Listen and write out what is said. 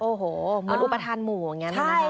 โอ้โหเหมือนอุปทานหมู่อย่างนี้นะคะ